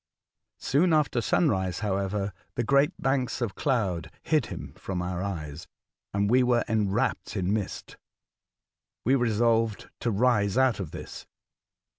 Soon after sunrise, however, the great banks of cloud hid him from our eyes, and we were enwrapped in mist. We resolved to rise out of this.